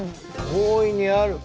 大いにある。